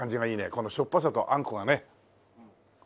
このしょっぱさとあんこがね。